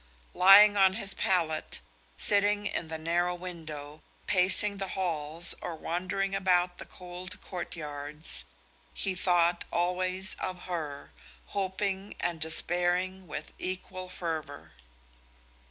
Lying on his pallet, sitting in the narrow window, pacing the halls or wandering about the cold courtyards, he thought always of her, hoping and despairing with equal fervor.